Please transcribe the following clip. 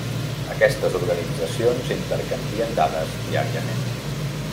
Aquestes organitzacions intercanvien dades diàriament.